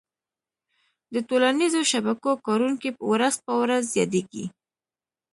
د ټولنیزو شبکو کارونکي ورځ په ورځ زياتيږي